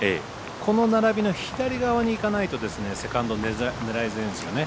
この並びの左側にいかないとセカンド狙いづらいんですよね。